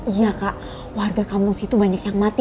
iya kak warga kampung situ banyak yang mati